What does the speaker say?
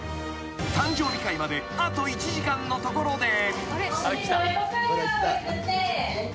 ［誕生日会まであと１時間のところで］